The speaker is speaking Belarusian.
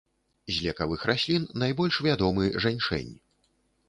З лекавых раслін найбольш вядомы жэньшэнь.